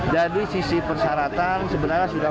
dari sisi persyaratan sebenarnya sudah